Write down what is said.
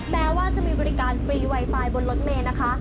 แม้ว่าจะมีบริการฟรีไวไฟบนรถเมย์นะคะ